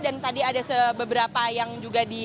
dan tadi ada beberapa yang juga ditaruh